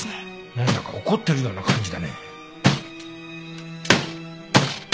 なんだか怒ってるような感じだね。